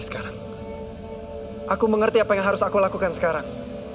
kan merindisi lo bayang